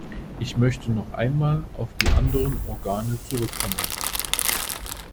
Ich möchte noch einmal auf die anderen Organe zurückkommen.